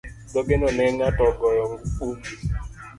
Dhogeno ne ng'ato ogoyo gum.